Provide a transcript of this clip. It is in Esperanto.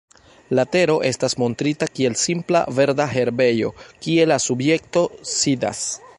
La tero estas montrita kiel simpla verda herbejo, kie la subjekto sidas.